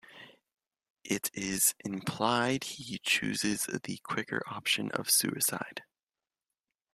It is implied he chooses the quicker option of suicide.